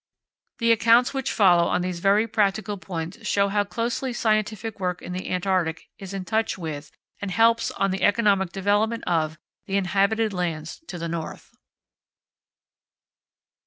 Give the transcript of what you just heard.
The accounts which follow on these very practical points show how closely scientific work in the Antarctica is in touch with, and helps on the economic development of, the inhabited lands to the north.